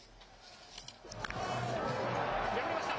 破りました！